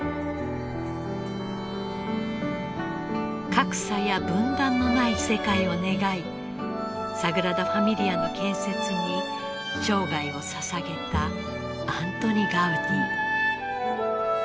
格差や分断のない世界を願いサグラダ・ファミリアの建設に生涯をささげたアントニ・ガウディ。